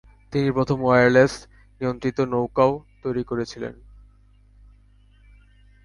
তিনি প্রথম ওয়্যারলেস নিয়ন্ত্রিত নৌকাও তৈরি করেছিলেন।